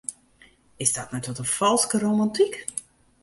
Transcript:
Is dat net wat in falske romantyk?